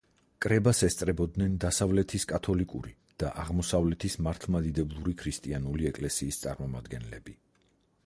კრებას ესწრებოდნენ დასავლეთის კათოლიკური და აღმოსავლეთის მართლმადიდებლური ქრისტიანული ეკლესიის წარმომადგენლები.